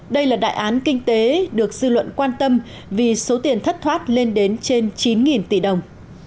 đây là đại án kinh tế được dư luận quan tâm vì số tiền thất thoát lên đến trên chín tỷ đồng